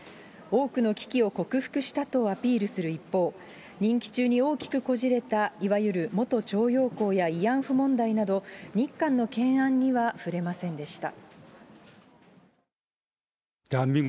多くの危機を克服したとアピールする一方、任期中に大きくこじれたいわゆる元徴用工や慰安婦問題など、日韓の懸案には触れませんでした。